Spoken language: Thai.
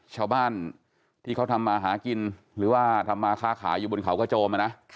ชาวบ้านที่เขาทำมาหากินหรือว่าทำมาค้าขายอยู่บนเขากระโจมนะ